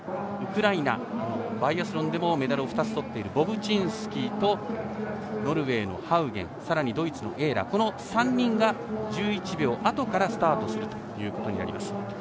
ウクライナ、バイアスロンでもメダルを２つとっているボブチンスキーとノルウェーのハウゲンさらにドイツのエーラーこの３人が１１秒あとからスタートとなります。